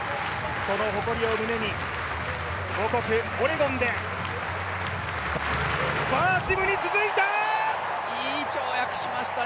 その誇りを胸に母国オレゴンで、バーシムに続いた！